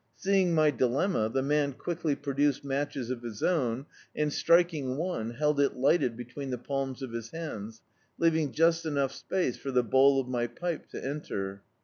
Seeing my dilemma, the man quickly produced matches of his own, and striking <me, held it lighted between the palms of his hands, leaving just cnou^ space for the bowl of my pipe to enter.